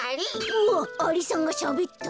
うわっアリさんがしゃべった。